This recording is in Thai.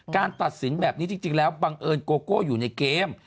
ตัดสินแบบนี้จริงแล้วบังเอิญโกโก้อยู่ในเกม